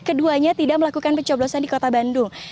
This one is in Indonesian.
keduanya tidak melakukan pencoblosan di kota bandung